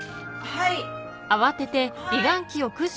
はい。